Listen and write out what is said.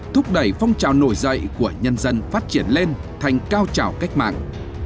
thúc đẩy phong trào nổi dậy của nhân dân phát triển lên thành cao trào cách mạng